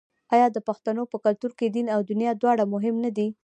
آیا د پښتنو په کلتور کې دین او دنیا دواړه مهم نه دي؟